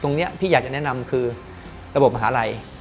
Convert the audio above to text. พี่อยากจะแนะนำคือระบบมหาลัย